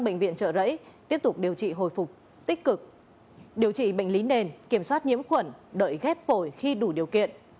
bệnh viện trợ rẫy tiếp tục điều trị hồi phục tích cực điều trị bệnh lý nền kiểm soát nhiễm khuẩn đợi ghép phổi khi đủ điều kiện